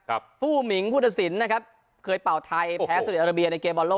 ฟู้หมิงผู้ตัดสินนะครับเคยเป่าไทยแพ้สุดอาราเบียในเกมบอลโลก